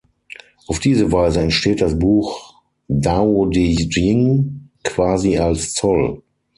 Auf diese Weise entsteht das Buch Daodejing, quasi als Zoll.